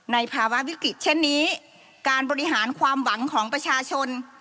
ภาวะวิกฤตเช่นนี้การบริหารความหวังของประชาชน